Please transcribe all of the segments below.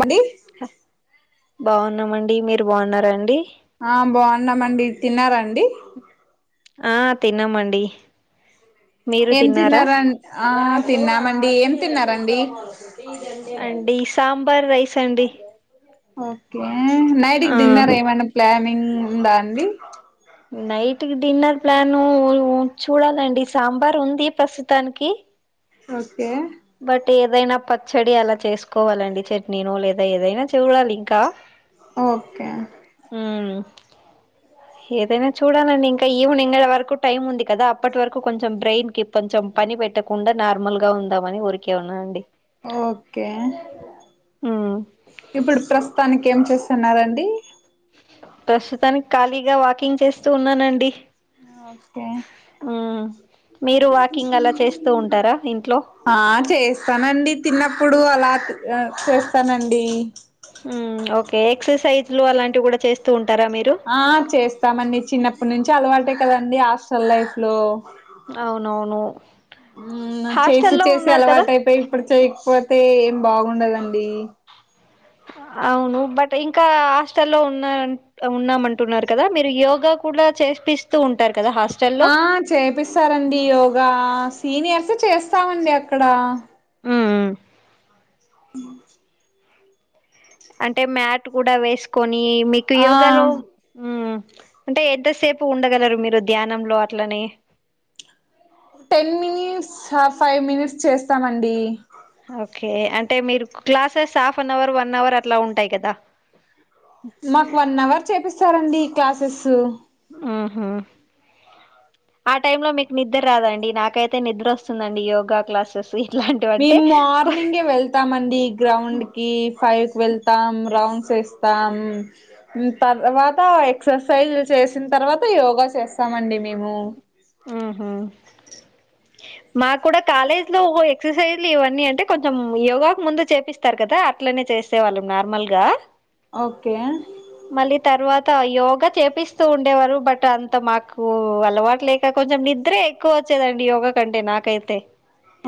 బడ్డీ బావున్నామండి మీరు బావున్నారా అండి ఆ బావున్నామండి తిన్నార అండి ఆ తిన్నామండి మీరు ఏం తిన్నారా తిన్నారం ఆ తిన్నామండి ఏం తిన్నారండి అండి సాంబార్ రైస్ అండి ఓకే నైట్ కి ఆ డిన్నర్ ఏమనా ప్లానింగ్ ఉందా అండి నైట్ కి డిన్నర్ ప్లాను చూడాలండి సాంబార్ ఉంది ప్రస్తుతానికి ఓకే బట్ ఏదైనా పచ్చడి అలా చేసుకోవాలండి చట్నీనో లేదా ఏదైనా చూడాలి ఇంకా ఓకే ఉమ్ ఏదైనా చూడాలండి ఇంకా ఈవినింగ్ వరకు టైం ఉంది కదా అప్పటి వరకు కొంచం బ్రెయిన్ కి కొంచం పని పెట్టకుండ నార్మల్గా ఉం ఓకే మ్మ్ ఇప్పుడు ప్రస్తుతానికి ఏం చేస్తున్నరండి ప్రస్తుతనికి ఖాళీగా వాకింగ్ చేస్తూ ఉన్నానండి ఓకే ఉమ్ మీరు వాకింగ్ అలా చేస్తూ ఉంటరా ఇంట్లో ఆ చేస్తానండి తిన్నప్పుడు అలా చేస్తనండి ఉమ్ ఓకే ఎక్సర్సైజ్లు అలాంటివి గుడా చేస్తూ ఉంటరా మీరు ఆ చేస్తామండి చిన్నప్పడ్నుంచి అలవాటే కదండి హాస్టల్ లైఫ్ లో అవునవును ఉమ్ న చేసి హాస్టల్లో చేసి ఉన్నారు కదా అలవాటు అయిపోయి ఇప్పుడు చేయకపోతే ఏం బాగుండదండి అవును బట్ ఇంకా హాస్టల్లో ఉన్న ఉన్నమంటున్నారు కదా మీరు యోగా కూడా చేపిస్తూ ఉంటారు కదా హాస్ ఆ చేపిస్తారండి యోగా సీనియర్స్ చేస్తామండి అక్కడ మ్మ్ అంటే మ్యాట్ కూడా వేసుకొని మీకు ఆ యోగలో ఉమ్ అంటే ఎంతసేపు ఉండగలరు మీరు ధ్యానంలో అట్లనే టెన్మినిట్స్ హ ఫైవ్ మినిట్స్ చేస్తామండి ఓకే అంటే మీరు classes half an hour one hour అట్లా ఉంటయి కదా మాకు వన్ అవర్ చేపిస్తరండి ఈ క్లాసెస్ ఉహు ఆ టైంలో మీకు నిద్ర రాదండి నాకైతే నిద్ర వస్తుందండి యోగా క్లాస్ కస్విట్లాంటివంటే కో ళ్తామండి గ్రౌండ్ కి ఫైవ్ కి వెళ్తాం రౌండ్స్ వేస్తాం తర్వాత ఎక్సర్సైజ్ చేసిన తర్వాత యోగా చేస్తామండి మేము ఉహు మాకు కూడా కాలేజ్ లో ఎక్సర్సైజ్లు ఇవన్నీ అంటే కొంచెం యోగాకు ముందు చేపిస్ స్తారు కదా అట్లనే చేసే వాళ్ళం నార్మల్గా ఓకే మళ్ళీ తర్వాత యోగా చేపిస్తూ ఉండేవారు బట్ అంత మాకు అలవాట్లే ఇక కొంచెం నిద్రే ఎక్కువ వచ్చేదండి యోగ కంటే నాకైతే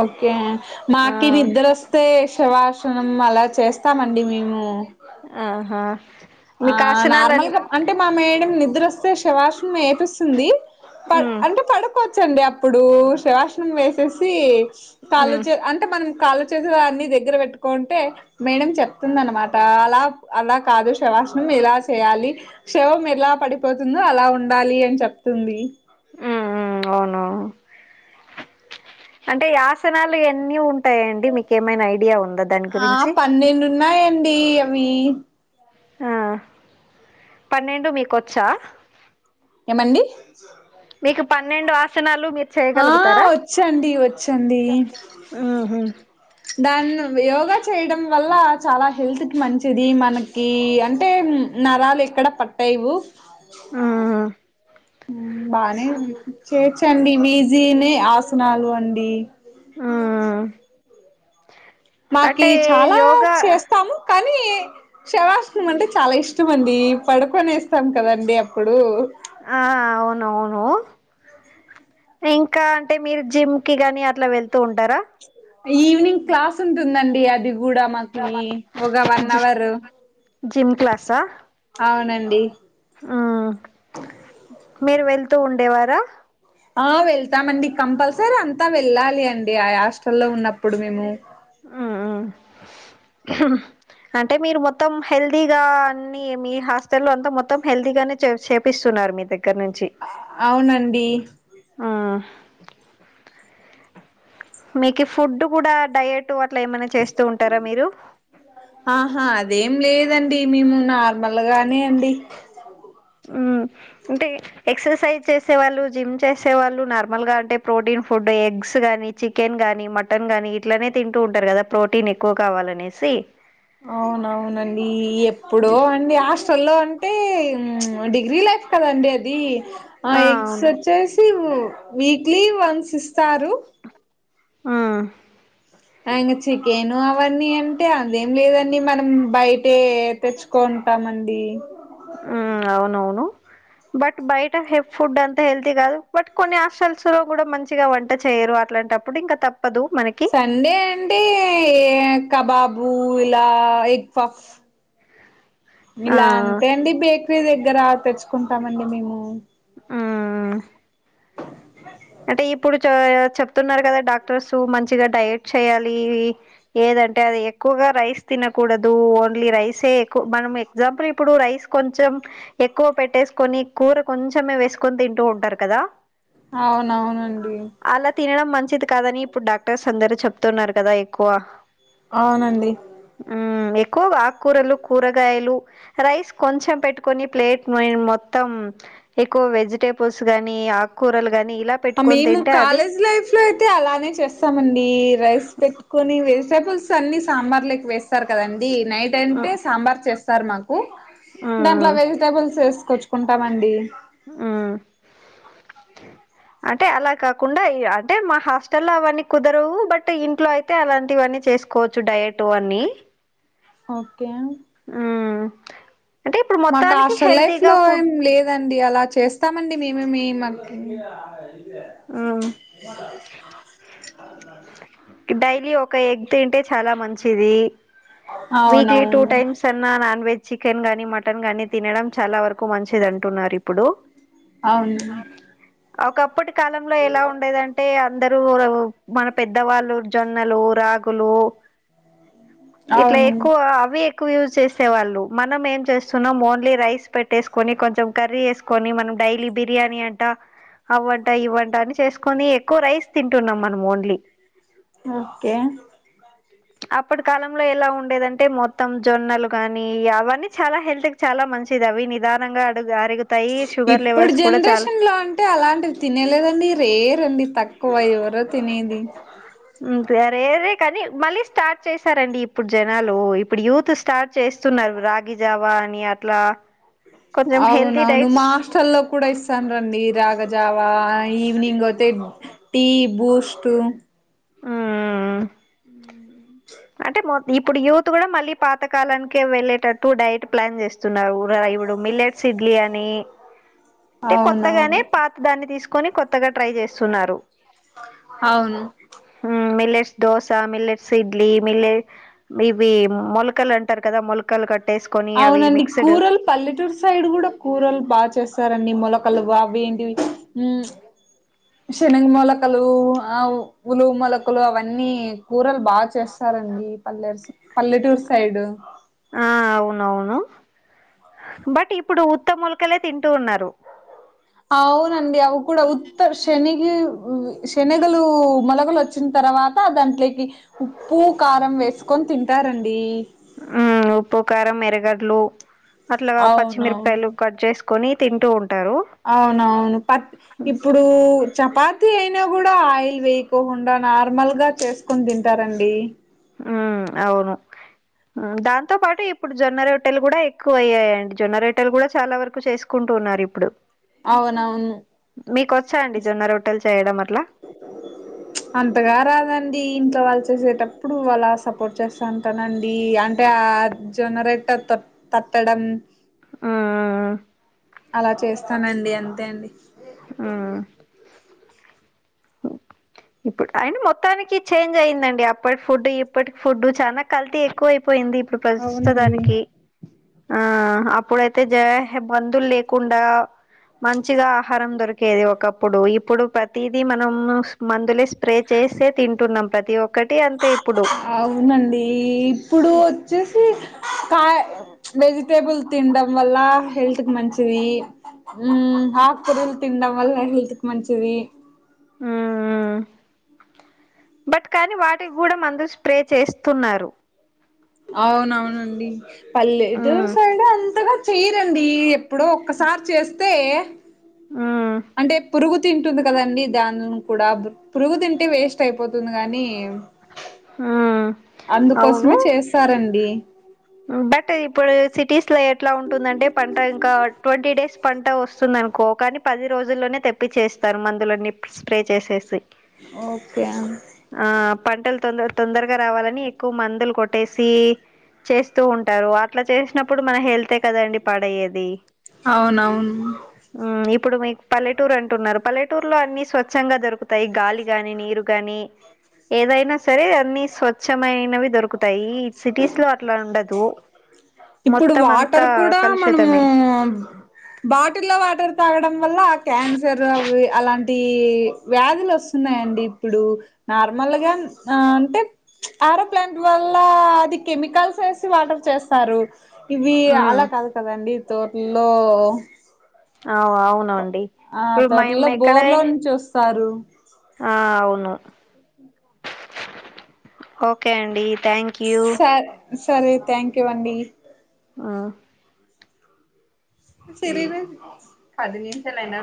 ఓకే ఆ మాకి నిద్ర స్తే శవాసనం అలా చేస్తామండి మేము ఆహా ఆ మీకు ఆసనాలన్ నార్మల్గా ఆన్ అంటే మా మేడ నిద్ర వస్తే శివార్సనం ఏపిస్తుంది పడ్ ఉమ్ అంటే పడుకో చండి అప్పుడు శ్రవాసనం వేసేసి ఉమ్ కాలు ఉమ్ చే అంటే మనం కాళ చేతులన్నీ దగ్గర పెట్టుకుంటే మేడం చెప్తుందనమాట అలా అలా కాదు శవాసనం ఎలా చేయాలి శవం ఎలా పడిపోతుందో అలా ఉండాలి అని చెప్తుంది ఉమ్ ఉమ్ అవునవును అంటే యాసనాలు ఎన్ని ఉం టయండి మీకెమైనా ఐడియా ఉందా దాని ఆ గురించి పన్నెండు ఉన్నాయండి అవి ఆ పన్నెండు మీకొచ్చ ఏమండి మీకు పన్నెండు ఆసనాలు మి ఆ వచ్చండి వచ్చండి ఉహు దాన్ని యోగ చేయడం వల్ల చాల హెల్త్కి మంచిది మనకి అంటే నరాలు ఎక్కడ పట్టే [unintelligible] ఆ ఉం బానే ఉంది చేయొచ్చండి విజీనే ఆసనాలు అండి ఆ మాకి చాల యోగా చేస్తాము కానీ శవాసనం అంటే చాల ఇష్టం అండి పడుకొని ఏస్తాం కదండి పుడు ఆ అవునవును ఇంకా అంటే మీరు జిమ్ కి గాని అట్ల వెళ్తూ ఉంటారా ఈవినింగ్ క్లాస్ ఉంటుందండి అది కూడ మాకి ఒగ వన్ అవర్ జిమ్ క్లాస అవునండి ఆ మీరు వెళ్తూ ఉండేవార ఆ వెళ్తామండి కంపల్సరీ అంత వెళ్ళాలి అండి ఆ యాస్టల్లో ఉన్నప్పుడు మేము ఆ అంటే మీరు మొత్తం హెల్దీగా అన్ని మీ హాస్టల్ లో అంతా మొత్తం హెల్దీగానే చేయు చే ప్పిస్తున్నారు మీ దగ్గర నుంచి అవునండి ఆ మీకు ఫుడ్ కూడ డయట్ అట్ల ఏమైనా చేస్తూ ఉంటారా మీరు ఆహా అదేం లేదండి మేము నార్మల్ గానే అండి ఉ అంటే ఎక్సర్సైజ్ చేసే వాళ్ళు జిమ్ చేసే వాళ్ళు నార్మల్గా అంటే ప్రోటీన్ ఫుడ్ ఎగ్స్ గానీ చి కెన్ గానీ మటన్ గానీ ఇట్లనే తింటు ఉంటరు గద ప్రోటీన్ ఎక్కువ కావాలనేసి అవునవునండి ఎప్పుడో ఈ- అండి ఆష్ [unintelligible] అంటే డిగ్రీ లైఫ్ కదండి అది ఆ ఎగ్స్ వచ్చేస్ [unintelligible] వీక్లీ వన్స్ ఇస్తారు ఆ అయిన చికెను అవన్నీ అంటే అదేం లేదండి మనం బయటే [unintelligible] కొంతమంది ఆ అవునవును బట్ బయట హె ఫుడ్ అంత హెల్తీ కాదు బట్ కొన్ని హాస్టల్స్ లో కూడ మంచిగ వంట చేయరు అట్లాంట ప్పుడు ఇంక తప్పదు మన సండే అంటెకబాబు ఇలా ఎగ్ పఫ్ ఆ ఇలా అంటే అండి బేకరీ దగ్గర తెచ్చుకుంటమండి మేము ఆ అంటే ఇప్పుడు చ చెప్తున్నరు గద డాక్టర్స్ మంచిగ డయట్ చేయాలి ఏదంటే అది ఎక్కువగ రైస్ తినకూడదు ఓన్లీ రైసే ఎక్ మనం ఎగ్జాంపుల్ ఇప్పుడు రై కొంచెం ఎక్కువ పెట్టేసుకొని కూర కొంచమే వేసుకొని తింటు ఉంటరు కద అవునవునండి అల తినడం మంచిది కాదని ఇప్పుడు డాక్టర్స్ అందరు చెప్తున్నారు కద ఎక్కువ అవునండి ఉమ్ ఎక్కువగ ఆక్కురలు కూరగాయలు రైస్ కొంచెం పెట్టుకొని ప్లేట్ మెయ్ మొత్తం ఎక్కువ వెజిటేబుల్స్ గానీ ఆక్కురలు గాని ఇప్ అ మేము కాలేజ్ లైఫ్ లో అయితే అలానే చేస్తామండి, రైస్ పెట్టుకొని వెజిటెబుల్స్ అన్ని సాంబార్లక్ వేస్ తరు కదండి నైట్ మ్మ్ అంటే సాంబార్ చేస్తారు మాకు, దాంట్ల మ్మ్ వెజిటబుల్స్ ఏసుకొచ్ కుంటమండి ఉమ్ [inaudible] అంటే అలా కాకుండ ఇ అంటే మా హాస్టల్ల అవన్నీ కుదరవు బట్ ఇంట్లో అయిత్ తే అలాంటివన్నీ చేసుకోవచ్చు డయట్ అన్నీ ఓకే ఊమ్ మాకాస్టల్ లైఫ్ లో ఫుడ్ ఏం లేద్ లేదండి అలా చేస్తామండి మేమే మీ మాక్ ఆ డైలి ఒక ఎగ్ తింటే చాల మంచిది వీక్లీ టూ అవునవును టైమ్స్ అన్ న్న నాన్ వెజ్ చికెన్ గానీ మటన్ గానీ తినడం చాల వరకు మంచిది అంటున్నారిపుడు అవునా ఒకప్పటి కాలంలో ఎలా ఉండేదంట్ టే అందరూ మన పెద్దవాళ్ళు జొన్నలు, రాగులు ఇట్ల అవును ఎక్కువగా అవే క్కువ యూస్ చేసే వాళ్ళు మనం ఎం చేస్తున్నం ఓన్లీ రైస్ పెటేసుకొని కొంచెం కర్రీ ఏస్ కొని మనం డైలీ బిర్యానీ అంట అవ్వన్ ట ఇవ్వంట అని చేసుకొని ఎక్కువ రైస్ తింటున్నాం మనం ఓన్లీ ఓకే [inaudible] అప్పటి కాలంలో ఎలా ఉండేదంటే మొత్తం జొన్నలు గాని అవన్నీ చాల హెల్త్ క్ చాల మంచిది అవి నిదానంగ అడుగు అరుగ్ ఇప్పడు జెనరేషన్ లో అన్ టే అలాంటివి తినేలేదండి రేరండి తక్కువ ఎవరో తినేది ఉమ్ రేరే కనీ మళ్ళీ స్టార్ట్ చేశారండి ఇప్పుడు జనాలు ఇప్పుడు యూత్ స్ స్టార్ట్ చేస్తున్నారు రాగి జావా అని అట్లా కొంచెం హెల్తీ అవునవును మా డైట్స్ హాస్టల్లో కూడ ఇస్ స్తాంరండి రాగజావా ఈవినింగ్ ఒతే టీ బూస్ట్ ఆ ఆ ఆ ఉమ్ అంటే మొ ఇప్పుడు యూత్ కూడ మళ్ళీ పాతకాలానికి వెళ్ళేటట్టు డైట్ ప్లాన్ జెస్ స్తున్నారు ర మిల్లెట్స్ ఇడ్లీ అని టే కొత్తగానె అవునవును పాత్ దాన్ని తీసుకొని కొత్తగా ట్రై జేస్తున్నారు అవును ఊ మిలెట్స్ దోసా మిలెట్స్ సిద్ ప్లీ మిల్లే ఇవి మొలకలు అంటారు కద మొల కలు కట్టేసుకొని అవి అవునండి మిక్స్డ్ కూరలు పల్లెటూరు సైడు కూడా కూరలు బాగా చేస్తారండి మొలకలు బా అవి ఏంటివి ఊమ్ శనగ మొలకలు ఆవ్ ఉలు మొలకలు అవన్నీ కూరలు బాగా చేస్తారండి పల్లెర్స్ పల్లెటూర్ సైడు ఆ అవునవును బట్ ఇప్పుడు ఉత్త మొలకలే తింటూ ఉన్నారు అవునండి అవు కూడా ఉత్తర్ష శనిగి శనగలు మొలగలు వచ్చిన తర్వాత దాంట్లేకి ఉప్పు కారం వేసుకొని తింటారండి ఊ ఉప్పు కారం ఎరగడ్లు అట్లాగా అవునవును పచ్చిమిరపకాయలు కట్ చేసు కొని తింటూ ఉంటారు అవునవును పత్ ఇప్పుడు చపాతి అయినా గూడా ఆయిల్ వేయకోకుండా నార్మల్ గా చేసి కొని తింటారండి ఉమ్ అవును దాంతో పాటు ఇప్పుడు జొన్న రోట్టలు గూడా ఎక్కువ అయ్యాయండి జొన్న రొట్టలు గూడా చాలా వరకు చేసు కుంటున్నారు ఇప్పుడు అవునవును మీకు వచ్చా అండి జొన్న రొట్టలు చేయడం అట్ల అంతగా రాదండి ఇంట్లో వాళ్ళు చేసేటప్పుడు వాళ్ళ సపోర్ట్ చేస్తాను తనండి అంటే ఆ జొన్నరొట్టె త తట్టడం ఆ ఆ ఆ అలా చేస్తానండి అంతే అండి ఊ ఇప్పుడ్ అయిన మొత్తానికి చేంజ్ అయిందండి అప్పటి ఫుడ్ ఇప్పటికి ఫుడ్ చాన కల్తీ ఎక్కువ అయిపోయింది ఇప్పుడు ప్రస్తుస్త అవునండి దానికి ఆ అప్పుడైతే జరహ్ మందులు లేకుండా మంచిగా ఆహారం దొరికేది ఒకప్పుడు ఇప్పుడు ప్రతీదీ మనం మందులే స్ప్రే చేసే తింటున్నాం ప్రతి ఒక్కటి అంతే ఇప్పుడు అవునండి ఇప్పుడు వచ్చేసి కాయ వెజిటేబుల్ తినడం వల్ల హెల్త్ కి మంచిది ఉమ్ ఆకుకూరలు తిండం వల్ల హెల్త్ కి మంచిది ఊమ్ ఊమ్ ఊ బట్ కానీ వాటికి కూడా మందులు స్ప్రే చేస్తున్నారు అవునవునండి పల్లెటూరు మ్మ్ సైడు అంతగా చేయరండి ఎప్ ప్పుడో ఒక్కసారి చేస్తే మ్మ్ అంటే పురుగు తింటుంది కదండి దాని కూడా పురుగు తింటే వేస్ట్ అయిపోతుంది కాని మ్మ్ అందుకోసమే అవును చేస్తారండి బట్ ఇప్పుడు సిటీస్ లో ఎట్లా ఉంటుందంటే పంట ఇంకా ట్వంటీ డేస్ పంట వస్తుంది అనుకో కానీ పది రోజుల్లోనే తెప్పి చేస్తారు మందులన్నీ స్ప్రే చేసేసి ఓకే అం ఆ పంటలు తొందర తొందరగా రావాలని ఎక్కువ మందులు కొట్టేసి చేస్తూ ఉంటారు అట్లా చేసినప్పుడు మన హెల్తే కదండి పాడయ్యేది అవునవును ఉమ్ ఇప్పుడు మీక్ పల్లెటూరు అంటున్నారు పల్లెటూరు లో అన్ని స్వచ్ఛంగా దొరుకుతాయి గాలి గాని నీరు గానీ ఏదైనా సరే అన్ని స్వచ్ఛమైనవి దొరుకుతాయి ఈ సిటీస్ లో అట్లా ఉండదు ఇప్పుడు మొత్తం వాటర్ అంతా కూడా మనము కలుషితమే బాటిల్లో వాటర్ తాగడం వల్ల క్యాన్సర్ అవి అలాంటి వ్యాధులు వస్తున్నాయండి ఇప్పుడు నార్మల్గా ఆ అంటే ఆరో ప్లాంట్ వల్ల అది కెమికల్స్ వేసి వాటర్ చేస్తారు ఇవి ఉమ్ అలా కాదు కదండి తోటల్లో ఆవు ఆవునమండి [unintelligible] ఎక్కడే చూస్తారు ఆ అవును ఓకే అండి థ్యాంక్ యూ సర్ సరే థ్యాంక్ యూ అండి ఊ సిరివె పది నిమిషాలైన